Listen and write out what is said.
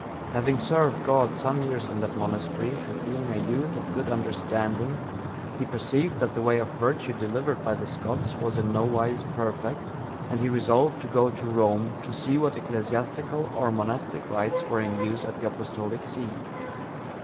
Having served God some years in that monastery, and being a youth of a good understanding, he perceived that the way of virtue delivered by the Scots was in no wise perfect, and he resolved to go to Rome, to see what ecclesiastical or monastic rites were in use at the Apostolic see.